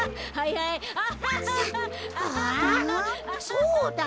そうだ！